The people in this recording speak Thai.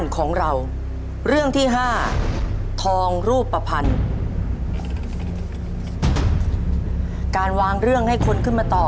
การวางเรื่องให้คนขึ้นมาตอบ